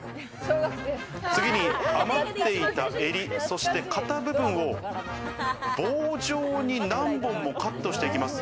次に余っていた襟、そして肩部分を棒状に何本もカットしていきます。